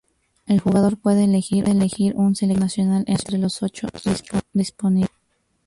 El jugador puede elegir un seleccionado nacional entre los ocho disponibles.